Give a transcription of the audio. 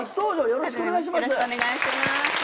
よろしくお願いします。